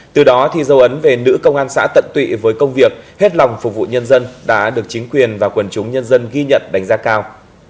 từ đó thì dấu ấn về nữ công an xã tận tụy với công việc hết lòng phục vụ nhân dân đã được chính quyền và quần chúng nhân dân ghi nhận đánh giá cao